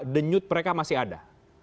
denyut mereka masih ada